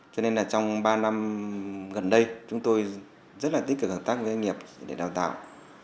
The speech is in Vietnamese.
cho nên là trong ba năm gần đây chúng tôi rất là tích cực hợp tác với doanh nghiệp để đào tạo